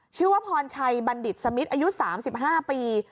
ชื่อว่าพรชัยบัณฑิตสมิทอายุ๓๕ปี